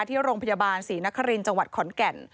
ที่โรงพยาบาลศรีนครินทร์จังหวัดขอนแก่น